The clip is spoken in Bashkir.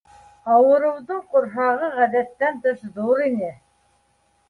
Ауырыуҙың ҡорһағы ғәҙәттән тыш ҙур ине